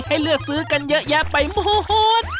เลือกซื้อกันเยอะแยะไปหมด